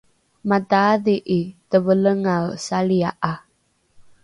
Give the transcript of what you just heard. mataadhi’i tevelengae salia’a